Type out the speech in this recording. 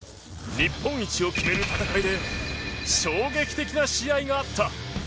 日本一を決める戦いで衝撃的な試合があった。